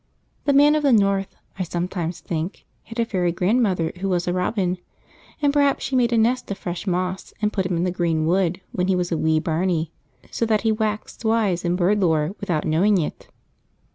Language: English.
The Man of the North, I sometimes think, had a Fairy Grandmother who was a robin; and perhaps she made a nest of fresh moss and put him in the green wood when he was a wee bairnie, so that he waxed wise in bird lore without knowing it.